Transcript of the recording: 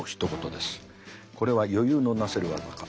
これは余裕のなせる業か。